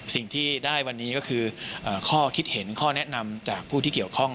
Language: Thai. สิ่งที่ได้วันนี้ก็คือข้อคิดเห็นข้อแนะนำจากผู้ที่เกี่ยวข้อง